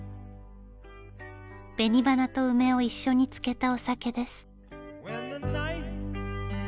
紅花と梅を一緒に漬けたお酒です。